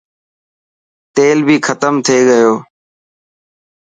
تيل بي ختم ٿي گيو.